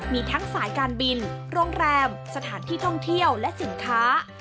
มีทั้งสายการบินโรงแรมสถานที่ท่องเที่ยวและสินค้า